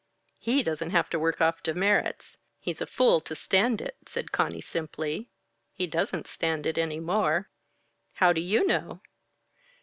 "He doesn't have to work off demerits. He's a fool to stand it," said Conny simply. "He doesn't stand it any more." "How do you know?"